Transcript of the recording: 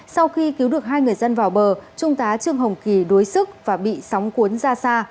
sau khi cứu được hai người dân vào bờ trung tá trương hồng kỳ đuối sức và bị sóng cuốn ra xa